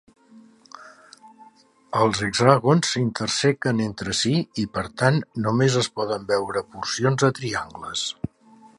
Els hexàgons s'intersequen entre si i, per tant, només es poden veure porcions de triangles.